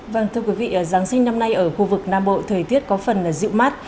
vâng thưa quý vị giáng sinh năm nay ở khu vực nam bộ thời tiết có phần dịu mát